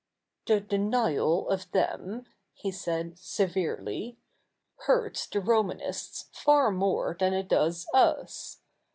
'The denial of them,' he said severely, 'hurts the Romanists far more than it does us.